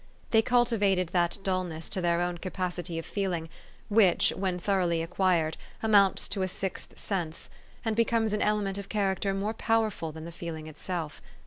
They cultivated that dul ness to their own capacity of feeling, which, when thoroughly acquired, amounts to a sixth sense, and becomes an element of character more powerful than the feeling itself.